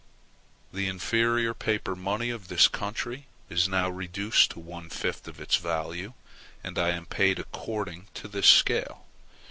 The inferior paper money of this country is now reduced to one fifth of its value, and I am paid according to this scale.